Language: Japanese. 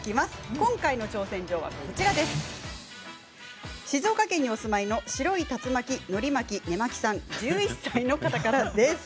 今回の挑戦状は静岡県にお住まいの白い竜巻・のり巻き・ねまきさん１１歳の方からです。